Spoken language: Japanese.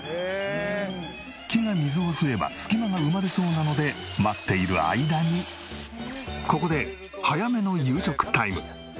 木が水を吸えば隙間が埋まるそうなので待っている間にここで早めの夕食タイム。